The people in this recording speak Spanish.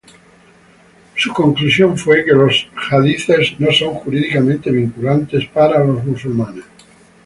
Su conclusión fue que los hadices no son jurídicamente vinculantes para los musulmanes.